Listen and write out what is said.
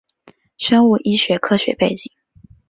生物医学科学背景